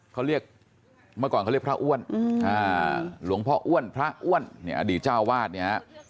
เขาเรียกเมื่อก่อนเขาเรียกพระอ้วนหลวงพ่ออ้วนพระอ้วนเนี่ยอดีตเจ้าวาดเนี่ยฮะ